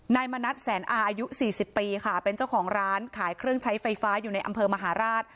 มณัฐแสนอาอายุ๔๐ปีค่ะเป็นเจ้าของร้านขายเครื่องใช้ไฟฟ้าอยู่ในอำเภอมหาราช